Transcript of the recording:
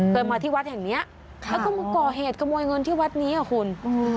เคยมาที่วัดแห่งนี้แล้วก็มาก่อเหตุขโมยเงินที่วัดนี้อ่ะคุณ